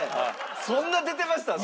そんな出てました？